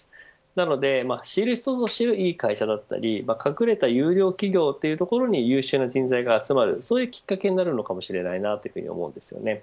なので知る人ぞ知るいい会社だったり隠れた優良企業、というところに優秀な人材が集まるそういうきっかけになるのかもしれないと思います。